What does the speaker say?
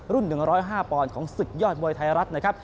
๑๐๕ปอนด์ของศึกยอดมวยไทยรัฐนะครับ